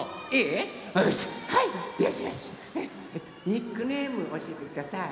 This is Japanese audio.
ニックネームおしえてください。